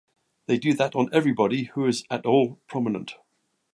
They do that on everybody who is at all prominent.